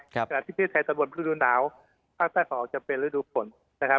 ขณะที่พิเศษบนฤดูหนาวภาคใต้ฝั่งออกจะเป็นฤดูฝนนะครับ